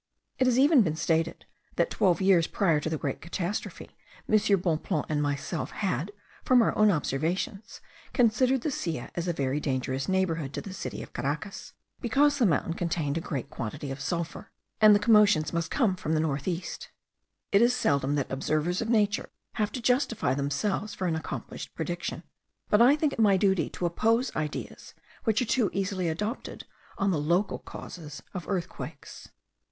It has even been stated that twelve years prior to the great catastrophe, M. Bonpland and myself had, from our own observations, considered the Silla as a very dangerous neighbour to the city of Caracas, because the mountain contained a great quantity of sulphur, and the commotions must come from the north east. It is seldom that observers of nature have to justify themselves for an accomplished prediction; but I think it my duty to oppose ideas which are too easily adopted on the LOCAL CAUSES of earthquakes.